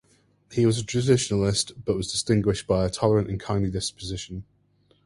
He was a traditionalist, but was distinguished by a tolerant and kindly disposition.